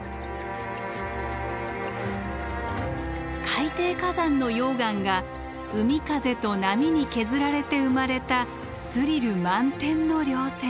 海底火山の溶岩が海風と波に削られて生まれたスリル満点の稜線。